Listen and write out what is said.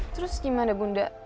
terus gimana bunda